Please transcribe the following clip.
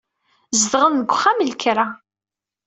Zedɣen deg wexxam n lekra.